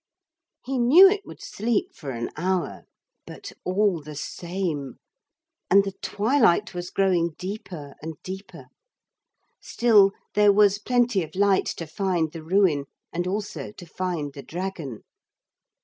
He knew it would sleep for an hour. But all the same And the twilight was growing deeper and deeper. Still there was plenty of light to find the ruin, and also to find the dragon.